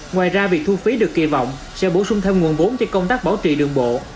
ngoài ra việc thu phí được kỳ vọng sẽ bổ sung theo nguồn bốn trên công tác bảo trì đường bộ